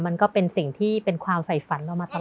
มันก็เป็นสิ่งที่เป็นความใส่ฝันเรามาตลอด